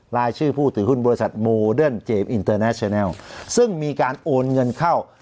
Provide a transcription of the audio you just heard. รายชื่อผู้ถือหุ้นบริษัทโมเดิร์นเจมสอินเตอร์แนชแลลซึ่งมีการโอนเงินเข้า